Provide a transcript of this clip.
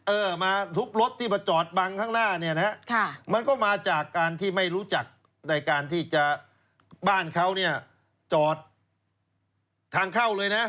เออมาทุบรถที่มาจอดบังข้างหน้าเนี่ยนะ